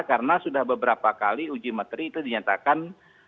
karena sudah beberapa kali uji materi itu dinyatakan